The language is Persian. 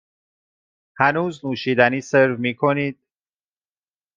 هنوز نوشیدنی سرو می کنید؟